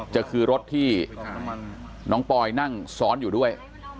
จะคือรถที่น้องปอยนั่งซ้อนอยู่ด้วย